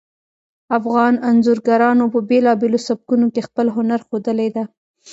افغان انځورګرانو په بیلابیلو سبکونو کې خپل هنر ښودلی ده